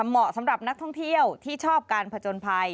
เหมาะสำหรับนักท่องเที่ยวที่ชอบการผจญภัย